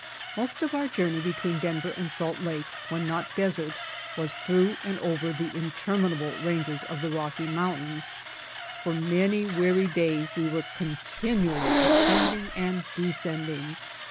Most of our journey between Denver and Salt Lake, when not desert, was through and over the interminable ranges of the Rocky mountains. For many wear>' days we were continually ascending and descending.